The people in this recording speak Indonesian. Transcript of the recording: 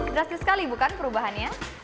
berarti sekali bukan perubahannya